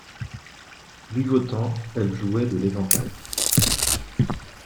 Buvotant, elle jouait de l'éventail.